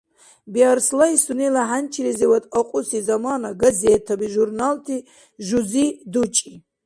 Биарслай сунела хӀянчилизивад акьуси замана газетаби, журналти, жузи дучӀи.